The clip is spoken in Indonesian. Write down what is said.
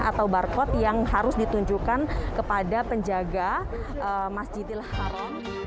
atau barcode yang harus ditunjukkan kepada penjaga masjidil haram